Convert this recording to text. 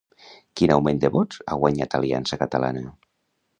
Quin augment de vots ha guanyat Aliança Catalana?